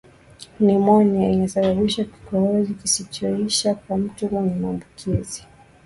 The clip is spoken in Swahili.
nimonia inasababisha kikohozi kisichoisha kwa mtu mwenye maambukizi